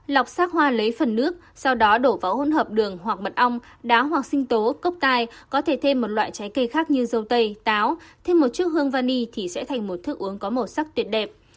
lọc sắc hoa lấy phần nước sau đó đổ vào hôn hợp đường hoặc mật ong đá hoặc sinh tố cốc tai có thể thêm một loại trái cây khác như dâu tây táo thêm một chiếc hương vani thì sẽ thành một thức uống có màu sắc tuyệt đẹp